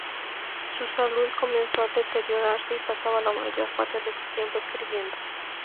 Su salud comenzó a deteriorarse y pasaba la mayor parte de su tiempo escribiendo.